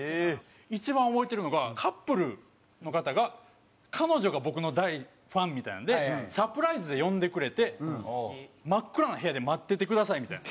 一番覚えてるのがカップルの方が彼女が僕の大ファンみたいなのでサプライズで呼んでくれて真っ暗な部屋で待っててくださいみたいな。